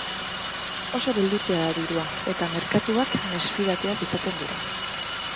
Oso beldurtia da dirua eta merkatuak mesfidatiak izaten dira.